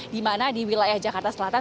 dimana di wilayah jakarta selatan